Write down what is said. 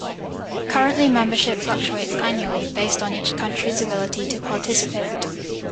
Currently, membership fluctuates annually based on each country's ability to participate.